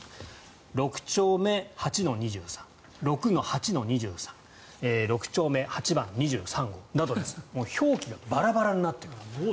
６丁目８ー２３６−８−２３６丁目２番２３号など表記がバラバラになっている。